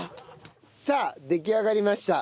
さあ出来上がりました。